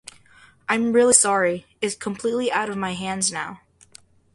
I'm really sorry; it's completely out of my hands now.